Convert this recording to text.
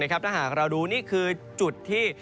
ถ้าหากเราดูนี่คือจุดที่